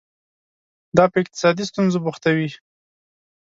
دا په اقتصادي ستونزو بوختوي.